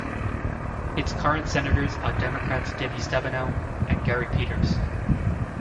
Its current Senators are Democrats Debbie Stabenow and Gary Peters.